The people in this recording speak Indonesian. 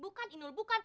bukan inul bukan